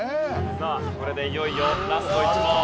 さあこれでいよいよラスト１問。